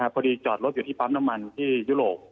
พอดีจอดรถอยู่ที่ปั๊มน้ำมันที่ยุโรป